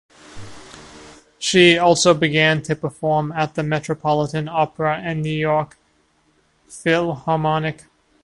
She also began to perform at the Metropolitan Opera and New York Philharmonic.